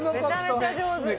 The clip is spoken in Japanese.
めちゃめちゃ上手。